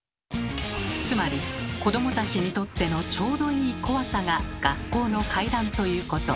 つまり子どもたちにとっての「ちょうどいい怖さ」が学校の怪談ということ。